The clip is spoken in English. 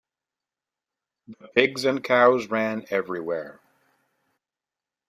The pigs and cows ran everywhere.